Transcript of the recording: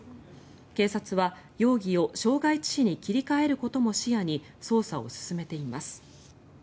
警察は容疑を傷害致死に切り替えることも視野に捜査を進めています。